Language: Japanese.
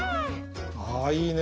あいいね。